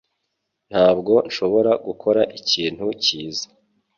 Ntabwo nshobora gukora ikintu cyiza